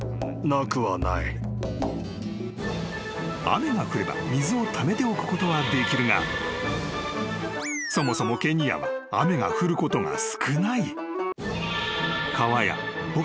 ［雨が降れば水をためておくことはできるがそもそもケニアは雨が降ることが少ない］